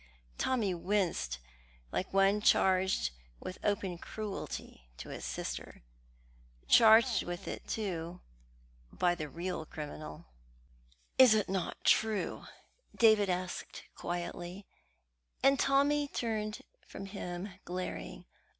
Tommy winced like one charged with open cruelty to his sister charged with it, too, by the real criminal. "It is not true?" David asked quietly, and Tommy turned from him glaring.